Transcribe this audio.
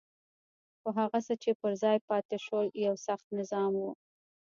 خو هغه څه چې پر ځای پاتې شول یو سخت نظام وو.